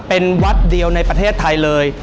เป็นวัดเดียวในประเทศไทยเลย